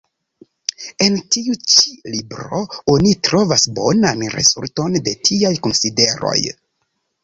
En tiu ĉi libro oni trovas bonan rezulton de tiaj konsideroj.